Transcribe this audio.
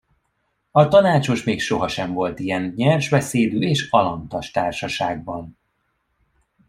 A tanácsos még sohasem volt ilyen nyers beszédű és alantas társaságban.